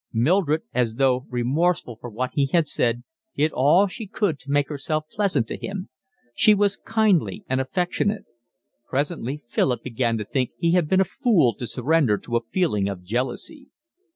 Mildred, as though remorseful for what she had said, did all she could to make herself pleasant to him. She was kindly and affectionate. Presently Philip began to think he had been a fool to surrender to a feeling of jealousy.